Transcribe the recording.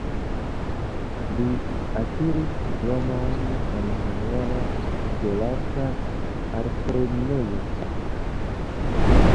Li akiris diplomon en Hungara Belarta Altlernejo.